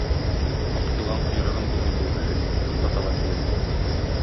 Ак елан койрыгын болгый теге кешегә, шунда таба килергә.